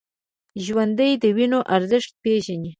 ژوندي د وینو ارزښت پېژني